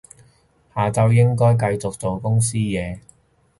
下晝應該繼續做公司嘢